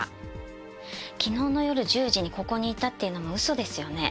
昨日の夜１０時にここにいたっていうのも嘘ですよね？